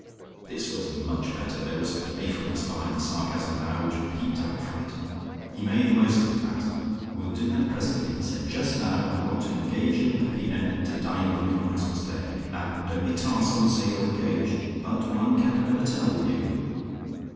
This was much better: there was playfulness behind the sarcasm now, which peeped out from it. He made the most of that. "We'll do that presently," he said. "Just now I want to engage you and Peppino to dine with me on Christmas Day. Now don't be tarsome and say you're engaged. But one can never tell with you."